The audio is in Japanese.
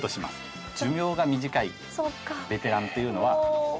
寿命が短いベテランというのは。